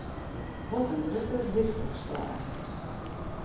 Wat in grutte lisboksstâl!